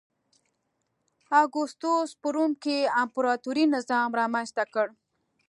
اګوستوس په روم کې امپراتوري نظام رامنځته کړ.